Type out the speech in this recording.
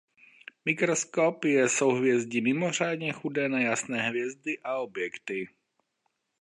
Mikroskop je souhvězdí mimořádně chudé na jasné hvězdy a objekty.